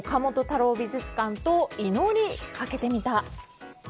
太郎美術館と祈りかけてみた。